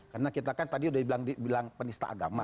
karena kita kan tadi udah dibilang penista agama